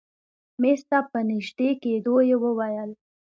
مېز ته په نژدې کېدو يې وويل.